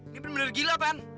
ini bener bener gila pan